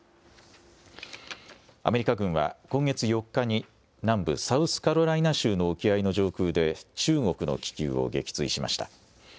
アメリカ軍は今月４日に、南部サウスカロライナ州の沖合の上空で、中国の気球を撃墜しました。